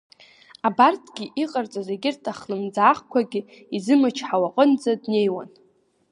Абарҭгьы иҟарҵоз егьырҭ ахлымӡаахқәагьы изымчҳауа аҟынӡа днеиуан.